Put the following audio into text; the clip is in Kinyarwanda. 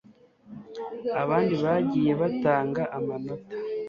abandi bagiye batanga amanota